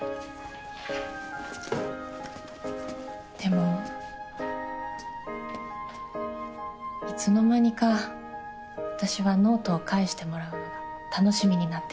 でもいつのまにか私はノートを返してもらうのが楽しみになってた。